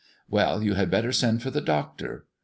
"Well, you had better send for the doctor."